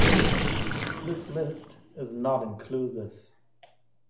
This list is not inclusive.